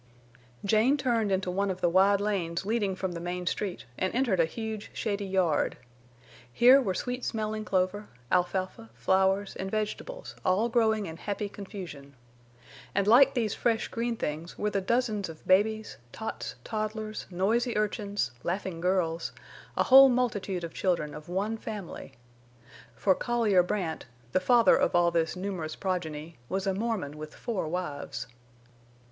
Jane turned into one of the wide lanes leading from the main street and entered a huge, shady yard. Here were sweet smelling clover, alfalfa, flowers, and vegetables, all growing in happy confusion. And like these fresh green things were the dozens of babies, tots, toddlers, noisy urchins, laughing girls, a whole multitude of children of one family. For Collier Brandt, the father of all this numerous progeny, was a Mormon with four wives.